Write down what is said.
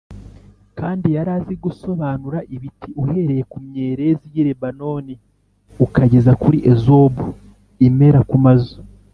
kandi yari azi gusobanura ibiti, uhereye ku myerezi y’i lebanoni ukageza kuri ezobu imera ku mazu;